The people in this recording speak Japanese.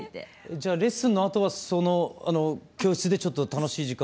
じゃあレッスンのあとはその教室でちょっと楽しい時間。